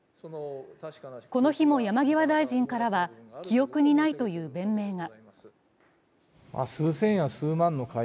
この日も山際大臣からは記憶にないという弁明が。